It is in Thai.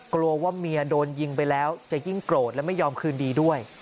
กลัวว่าเมียโดนยิงไปแล้วจะยิ่งโกรธและไม่ยอมคืนดีด้วย